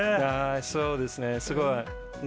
そうですね、すごい。